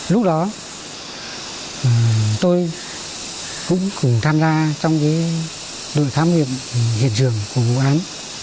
lúc đó tôi cũng tham gia trong đội khám nghiệm hiện trường của công an